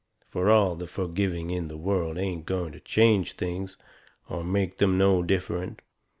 Fur all the forgiving in the world ain't going to change things, or make them no different.